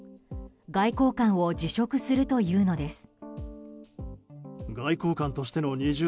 外交官を辞職するというのです。